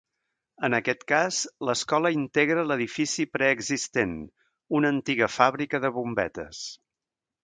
En aquest cas, l’escola integra l’edifici preexistent, una antiga fàbrica de bombetes.